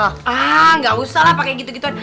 ah gak usah lah pake gitu gitu